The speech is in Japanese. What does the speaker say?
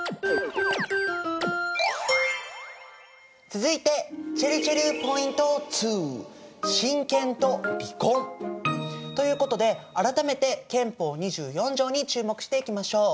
続いてちぇるちぇるポイント２。ということで改めて憲法２４条に注目していきましょう。